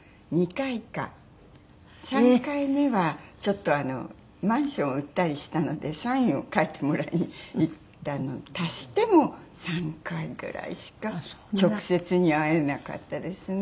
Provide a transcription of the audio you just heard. ３回目はちょっとマンションを売ったりしたのでサインを書いてもらいに行ったの足しても３回ぐらいしか直接には会えなかったですね。